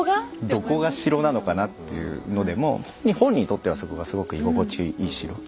「どこが城なのかな？」っていうのでも本人にとってはそこがすごく居心地いい城。